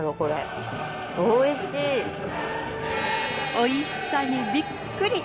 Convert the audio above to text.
おいしさにびっくり。